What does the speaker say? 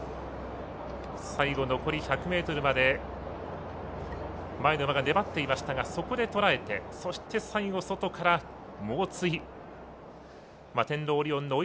最後、残り１００ｍまで前の馬が粘っていましたがそこで捉えて、最後外から猛追。